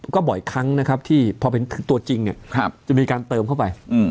ก็บ่อยครั้งนะครับที่พอเป็นตัวจริงจะมีการเติมเข้าไป